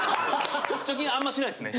貯金あんましないっすね。